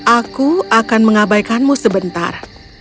aku akan mengabaikanmu sebentar